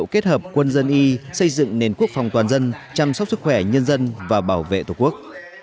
kết hợp quân dân y xây dựng nền quốc phòng toàn dân chăm sóc sức khỏe nhân dân và bảo vệ tổ quốc